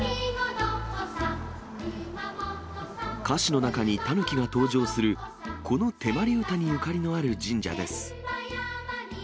歌詞の中にタヌキが登場する、この手まり唄にゆかりのある神社です。